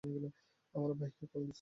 আমার ভাইকে কল দিছিলি?